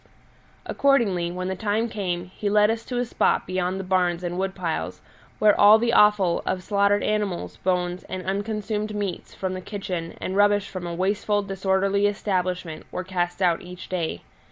Accordingly, when the time came he led us to a spot beyond the barns and wood piles, where all the offal of slaughtered animals, bones, and unconsumed meats from the kitchen, and rubbish from a wasteful, disorderly establishment, were cast out each day.